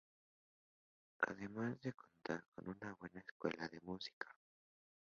Además de contar con una buena escuela de música.